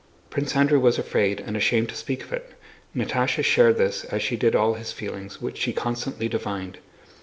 Prince Andrew was afraid and ashamed to speak of it. Natásha shared this as she did all his feelings, which she constantly divined.